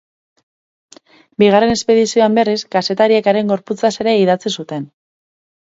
Bigarren espedizioan berriz, kazetariek haren gorputzaz ere idatzi zuten.